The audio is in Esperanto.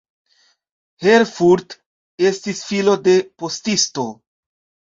Herfurth estis filo de postisto.